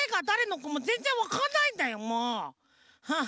はあ。